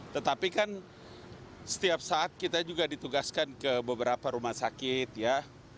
tetapi kan setiap saat kita juga ditugaskan ke beberapa rumah sakit ya